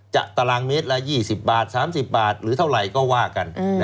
ตารางเมตรละ๒๐บาท๓๐บาทหรือเท่าไหร่ก็ว่ากัน